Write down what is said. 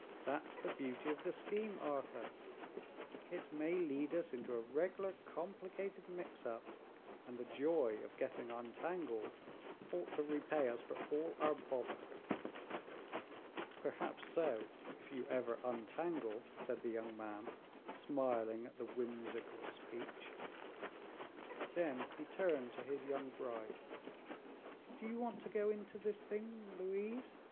"That's the beauty of the scheme, Arthur; it may lead us into a reg'lar complicated mix up, and the joy of getting untangled ought to repay us for all our bother." "Perhaps so if you ever untangle," said the young man, smiling at the whimsical speech. Then he turned to his young bride. "Do you want to go into this thing, Louise?"